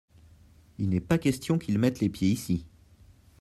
il n'est pas question qu'il mette les pieds ici.